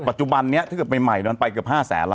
ปัจจุบันนี้ถ้าเกิดใหม่มันไปเกือบ๕แสนแล้ว